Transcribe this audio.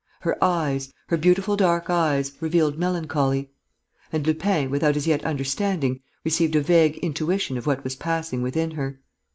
Her eyes, her beautiful dark eyes, revealed melancholy. And Lupin, without as yet understanding, received a vague intuition of what was passing within her.